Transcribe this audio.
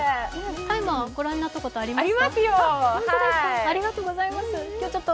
「ＴＩＭＥ，」はご覧になったことありますか？